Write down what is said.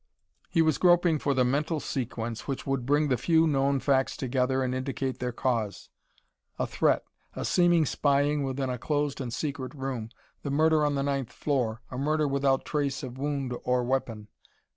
He was groping for the mental sequence which would bring the few known facts together and indicate their cause. A threat a seeming spying within a closed and secret room the murder on the ninth floor, a murder without trace of wound or weapon.